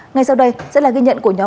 ngay sau đây sẽ là ghi nhận của nhóm